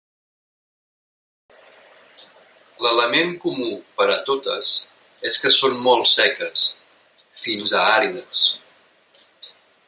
L'element comú per a totes és que són molt seques, fins a àrides.